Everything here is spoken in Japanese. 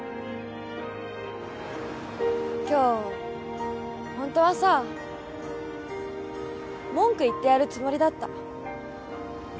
今日ホントはさ文句言ってやるつもりだった。